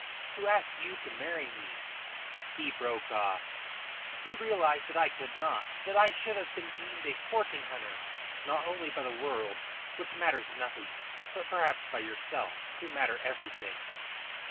To ask you to marry me " He broke off. "You realise that I could not; that I should have been deemed a fortune hunter, not only by the world, which matters nothing, but perhaps by yourself, who matter everything.